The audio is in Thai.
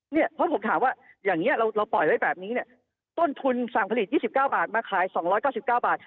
เพราะผมถามว่าอย่างนี้เราปล่อยไว้แบบนี้เนี่ยต้นทุนสั่งผลิต๒๙บาทมาขาย๒๙๙บาท